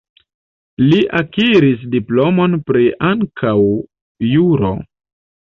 Li akiris diplomon pri ankaŭ juro.